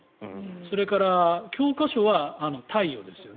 それから教科書は貸与ですよね。